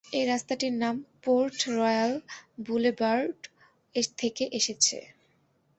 এই রাস্তাটির নাম পোর্ট-রয়্যাল বুলেভার্ড থেকে এসেছে।